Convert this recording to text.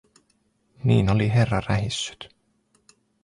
Niin oli herra rähissyt.